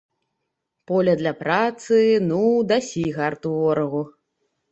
Поле для працы, ну, дасі гарту ворагу!